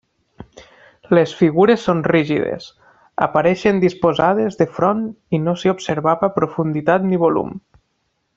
Les figures són rígides, apareixen disposades de front i no s'hi observava profunditat ni volum.